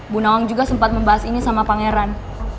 bu nawang juga sempat membahas ini sama pangeran